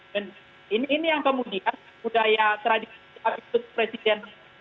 dan ini yang kemudian